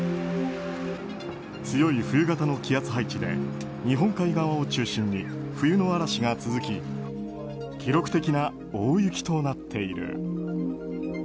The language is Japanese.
強い冬型の気圧配置で日本海側を中心に冬の嵐が続き記録的な大雪となっている。